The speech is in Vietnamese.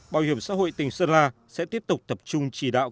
bảo hiểm xã hội tỉnh sơn la sẽ tiếp tục tập trung chỉ đạo